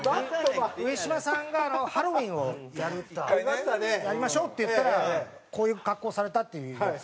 上島さんがハロウィーンをやるやりましょうって言ったらこういう格好されたっていうやつ。